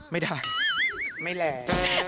ไม่ได้ไม่แรง